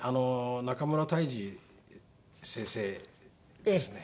中村泰士先生ですね